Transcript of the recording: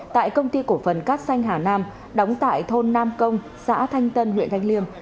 tại công ty cổ phần cát xanh hà nam đóng tại thôn nam công xã thanh tân huyện thanh liêm